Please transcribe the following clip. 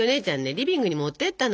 リビングに持ってったの。